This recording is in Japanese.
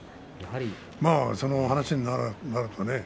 その話になるとね。